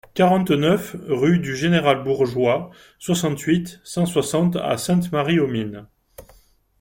quarante-neuf rue du Général Bourgeois, soixante-huit, cent soixante à Sainte-Marie-aux-Mines